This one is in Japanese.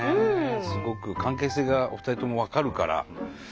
すごく関係性がお二人とも分かるから。